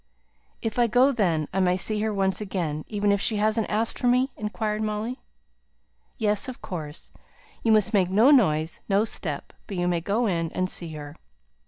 "If I go then, I may see her once again, even if she hasn't asked for me?" inquired Molly. "Yes, of course. You must make no noise, no step; but you may go in and see her.